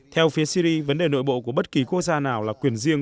theo phía syri vấn đề nội bộ của bất kỳ quốc gia nào là quyền riêng